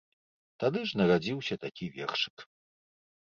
Тады ж нарадзіўся такі вершык.